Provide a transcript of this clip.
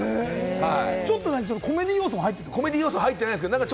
ちょっとコメディー要素入ってるの？